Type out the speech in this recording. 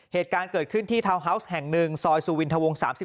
เหตุการณ์เกิดขึ้นที่ทาวน์ฮาวส์แห่ง๑ซอยสุวินทวง๓๔